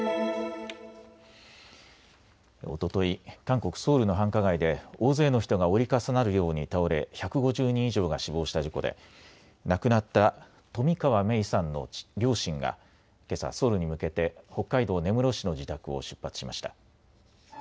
おととい、韓国ソウルの繁華街で大勢の人が折り重なるように倒れ１５０人以上が死亡した事故で、亡くなった冨川芽生さんの両親がけさ、ソウルに向けて北海道根室市の自宅を出発しました。